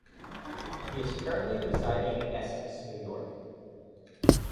He is currently residing in Essex, New York.